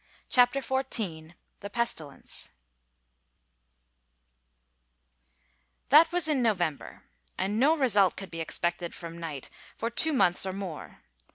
CHAPTER XIV THE PESTILENCE M^^^HAT was in November and no result could be M Cj expected from Knight for two months or more.